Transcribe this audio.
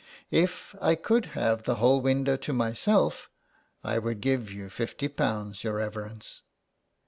" If I could have the whole window to myself, I would give you fifty pounds^ your reverence."